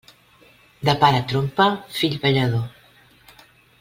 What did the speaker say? De pare trompa, fill ballador.